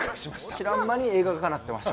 知らん間に映画化になってました。